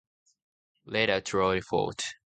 Later, Troy Fort.